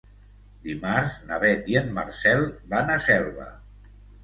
Dimarts na Beth i en Marcel van a Selva.